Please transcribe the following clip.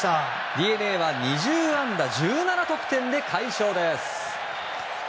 ＤｅＮＡは２０安打、１７得点で快勝です。